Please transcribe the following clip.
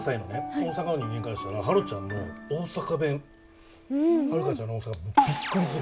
大阪の人間からしたら芭路ちゃんの大阪弁遥ちゃんの大阪弁びっくりする。